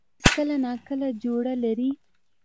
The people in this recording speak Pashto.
باز کله نا کله جوړه لري